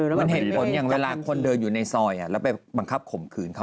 เหมือนเห็นคนอย่างเวลาคนเดินอยู่ในซ่อยแล้วไปบังคับขมคืน